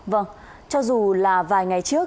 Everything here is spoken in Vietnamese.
vâng cho dù là vài ngày trước